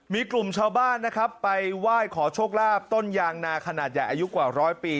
มีกลุ่มชาวบ้านนะครับไปไหว้ขอโชคลาภต้นยางนาขนาดใหญ่อายุกว่าร้อยปี